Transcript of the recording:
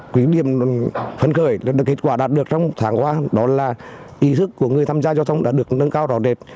quý điểm phân khởi được kết quả đạt được trong tháng qua đó là ý thức của người tham gia giao thông đã được nâng cao rõ rệt